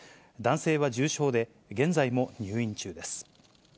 男性は重傷で、現在も入院中です。